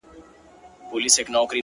سیاه پوسي ده؛ اوښکي نڅېږي؛